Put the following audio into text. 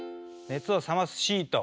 熱を冷ますシート